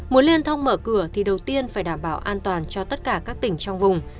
muốn liên thông mở cửa thì đầu tiên phải đảm bảo an toàn cho tất cả các tỉnh trong vùng